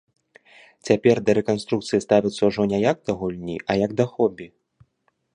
Цяпер да рэканструкцыі ставяцца ўжо не як да гульні, а як да хобі.